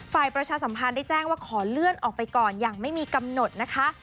ประชาสัมพันธ์ได้แจ้งว่าขอเลื่อนออกไปก่อนอย่างไม่มีกำหนดนะคะ